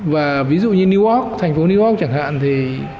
và ví dụ như newark thành phố newark chẳng hạn thì